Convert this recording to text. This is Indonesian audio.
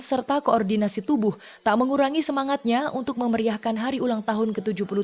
serta koordinasi tubuh tak mengurangi semangatnya untuk memeriahkan hari ulang tahun ke tujuh puluh dua